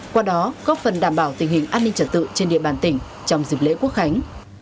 qua đó góp phần đảm bảo tình hình an ninh trật tự trên địa bàn tỉnh trong dịp lễ quốc khánh